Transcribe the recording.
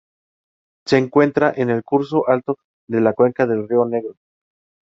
Se encuentran en el curso alto de la cuenca del río Negro.